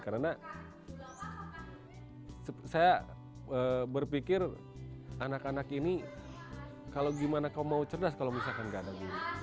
karena saya berpikir anak anak ini kalau gimana kau mau cerdas kalau misalkan tidak